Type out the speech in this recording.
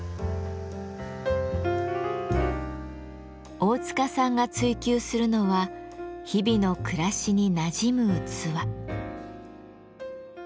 大塚さんが追求するのは日々の暮らしになじむ器。